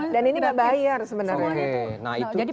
dan ini tidak bayar sebenarnya